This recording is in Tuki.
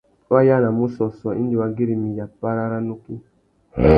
Wá yānamú ussôssô indi wa güirimiya párá râ nukí.